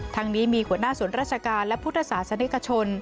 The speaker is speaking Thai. ทั้งนี้มีหัวหน้าส่วนราชการและพุทธศาสนิกชน